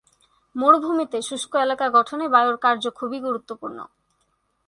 মরুভূমিতে শুষ্ক এলাকা গঠনে বায়ুর কার্য খুবই গুরুত্বপূর্ণ।